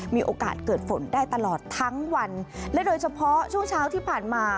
มีโอกาสเกิดฝนได้ตลอดทั้งวันและโดยเฉพาะช่วงเช้าที่ผ่านมา